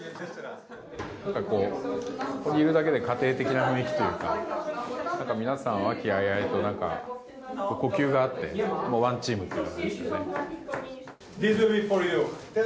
ここにいるだけで家庭的な雰囲気というか皆さん、和気あいあいと呼吸が合ってワンチームという感じですね。